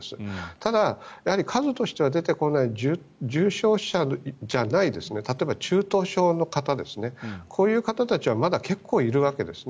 ただ、数としては出てこない重症者じゃない例えば中等症の方ですねこういう方たちはまだ結構いるわけですね。